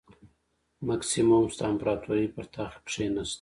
مکسیموس د امپراتورۍ پر تخت کېناست